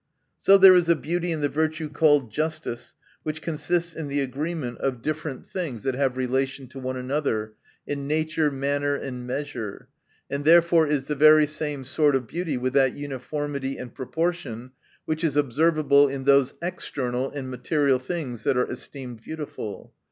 So there is a beauty in the virtue called justice, which consists in the agree ment of different things, that have relation to one another, in nature, manner and measure : and therefore is the very same sort of beauty with that uniformity and proportion, which is observable in those external and material things that are esteemed beautiful.